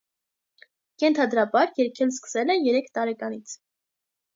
Ենթադրաբար երգել սկսել է երեք տարեկանից։